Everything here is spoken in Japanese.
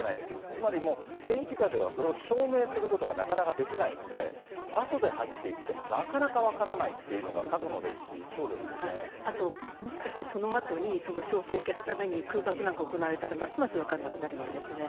つまり、戦時下ではそれを証明することがなかなかできないので、あとで入っていってもなかなか分からないっていうのが過去の歴史、あと、もしかしてそのあとに、証拠を消すために空爆なんか行われたら、ますます分からなくなるわけですよね。